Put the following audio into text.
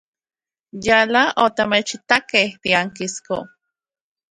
Yala otimechitakej tiankisko.